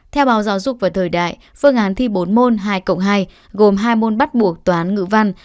theo báo giáo dục và thời đại phương án thi bốn môn hai cộng hai gồm hai môn bắt buộc toán ngữ văn